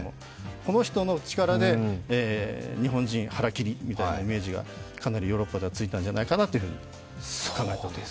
この人の力で日本人、腹切りみたいなイメージがかなりヨーロッパではついたんじゃないかなと考えております。